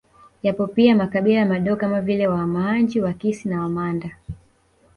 Yapo pia makabila madogo kama vile Wamahanji Wakisi na Wamanda